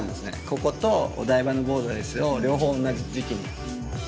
こことお台場のボーダレスを両方同じ時期に。